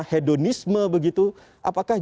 hedonisme begitu apakah